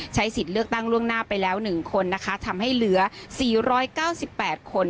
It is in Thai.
สิทธิ์เลือกตั้งล่วงหน้าไปแล้ว๑คนนะคะทำให้เหลือ๔๙๘คน